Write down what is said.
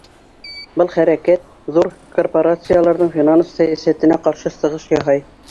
Был хәрәкәт ҙур корпорацияларҙың финанс сәйәсәтенә ҡаршы сығыш яһай.